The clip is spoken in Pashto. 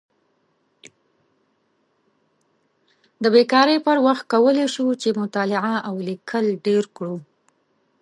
د بیکارۍ پر وخت کولی شو چې مطالعه او لیکل ډېر کړو.